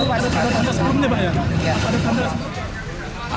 ada pasangan batu itu kan